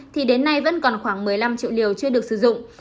thì đến nay vẫn còn khoảng một mươi năm triệu liều chưa được sử dụng